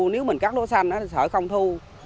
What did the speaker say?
nếu mình cắt lúa xanh thì sợ không thu